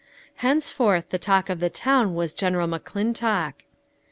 Henceforth the talk of the town was General McClintock.